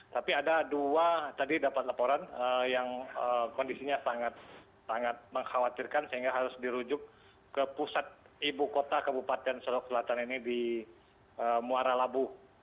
tapi ada dua tadi dapat laporan yang kondisinya sangat mengkhawatirkan sehingga harus dirujuk ke pusat ibu kota kabupaten solok selatan ini di muara labuh